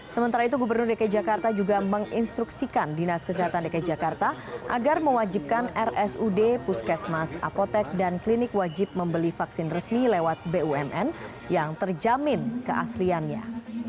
sementara itu gubernur dki jakarta juga menginstruksikan dinas kesehatan dki jakarta agar mewajibkan rsud puskesmas apotek dan klinik wajib membeli vaksin resmi lewat bumn yang terjamin keasliannya